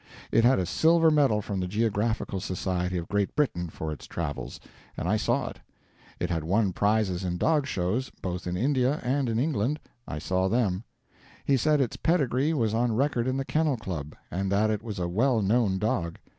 It had a silver medal from the Geographical Society of Great Britain for its travels, and I saw it. It had won prizes in dog shows, both in India and in England I saw them. He said its pedigree was on record in the Kennel Club, and that it was a well known dog.